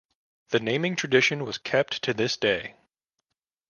The naming tradition was kept to this day.